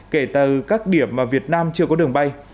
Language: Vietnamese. kể từ các điểm mà việt nam chưa có đường bay